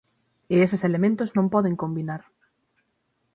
E eses elementos non poden combinar.